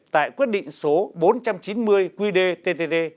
tại quyết định số bốn trăm chín mươi qd ttt